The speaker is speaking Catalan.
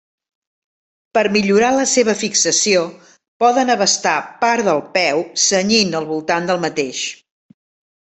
Per millorar la seva fixació poden abastar part del peu cenyint al voltant del mateix.